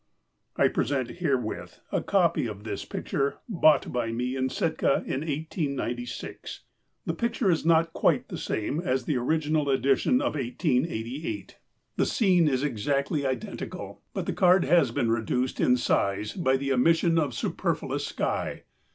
I present herewith a copy of this picture bought by me in Sitka in 180(). The picture is not quite the same as the original edition of 1888. VOL. LI. 12 i62 POPULAR SCIENCP: MONTHLY. The scene is exactly identical, but the card has been reduced in size by the omission of superfluous sky.